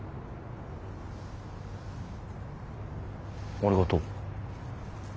ありがとう。